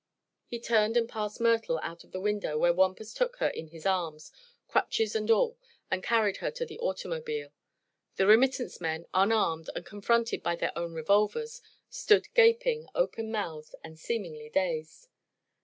He turned and passed Myrtle out of the window where Wampus took her in his arms, crutches and all, and carried her to the automobile. The remittance men, unarmed and confronted by their own revolvers, stood gaping open mouthed and seemingly dazed.